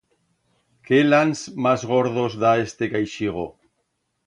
Qué lans mas gordos da este caixigo!